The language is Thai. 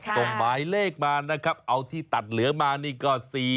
ส่งหมายเลขมานะครับเอาที่ตัดเหลือมานี่ก็๔๐